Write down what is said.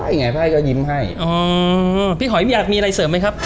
ไงไพ่ก็ยิ้มให้อ๋อพี่หอยอยากมีอะไรเสริมไหมครับ